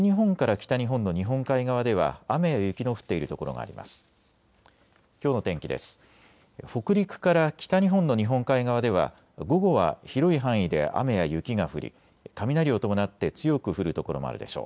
北陸から北日本の日本海側では午後は広い範囲で雨や雪が降り雷を伴って強く降る所もあるでしょう。